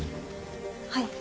はい。